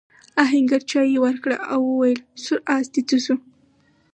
آهنګر چايي ورکړه او وویل سور آس دې څه شو؟